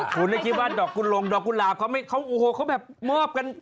คุณก็คิดว่าดอกกุลล่ะปเขามอบกัน